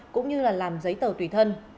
cũng như là làm giấy tờ tùy thân